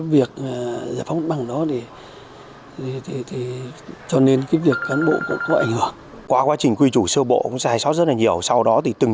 vì vậy dẫn đến khi triển khai một dự án khác là dự án mở rộng nghĩa trang vĩnh hằng